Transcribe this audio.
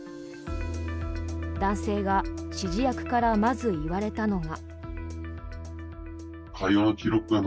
男性が指示役からまず言われたのが。